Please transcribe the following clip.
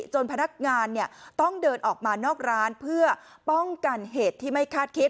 พนักงานต้องเดินออกมานอกร้านเพื่อป้องกันเหตุที่ไม่คาดคิด